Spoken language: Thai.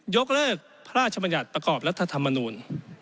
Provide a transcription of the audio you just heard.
ยกเลิกพระราชบัญญัติประกอบรัฐธรรมนูล